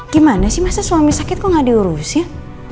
gimana sih masa suami sakit kok gak diurusin